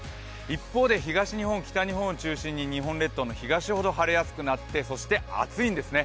一方で東日本、北日本を中心に日本列島の北の方ほど晴れやすくなって、そして暑いんですね。